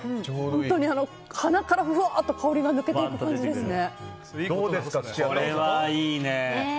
本当に鼻からぶわっと香りが抜けていく感じですね。